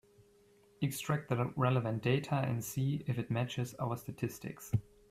Extract the relevant data and see if it matches our statistics.